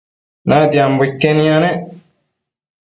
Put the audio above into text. natia iquen yanec